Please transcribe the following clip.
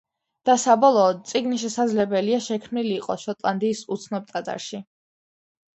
და საბოლოოდ წიგნი შესაძლებელია შექმნილი იყოს შოტლანდიის უცნობ ტაძარში.